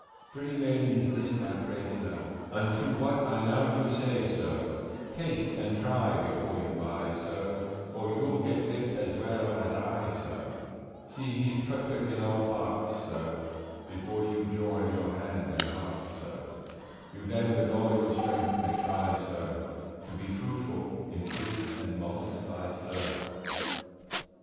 Pretty maidens list I pray, sir, Unto what I now do say, sir, Taste and try before you buy, sir, Or you'll get bit as well as I, sir; See he's perfect in all parts, sir, Before you join your hand and heart, sir, You then with all your strength may try, sir, To be fruitful, increase, and multiply, sir.